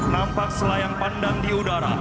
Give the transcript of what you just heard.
nampak selayang pandang di udara